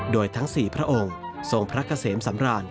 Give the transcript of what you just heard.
โดยทั้ง๔พระองค์ทรงพระเกษมสำราญ